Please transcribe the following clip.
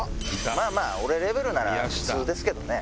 まぁまぁ俺レベルなら普通ですけどね。